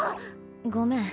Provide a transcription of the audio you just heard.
ごめん。